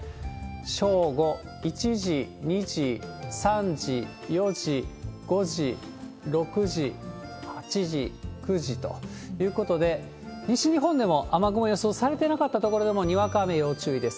正午、１時、２時、３時、４時、５時、６時、８時、９時ということで、西日本でも、雨雲予想されてなかった所でも、にわか雨要注意です。